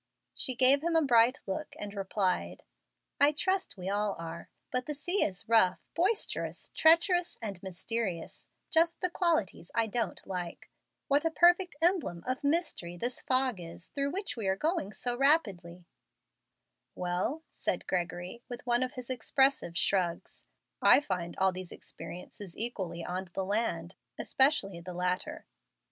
She gave him a bright look and replied, "I trust we all are. But the sea is rough, boisterous, treacherous, and mysterious, just the qualities I don't like. What a perfect emblem of mystery this fog is through which we are going so rapidly!" "Well," said Gregory, with one of his expressive shrugs, "I find all these experiences equally on the land, especially the latter."